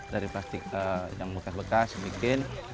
dari plastik yang bekas bekas bikin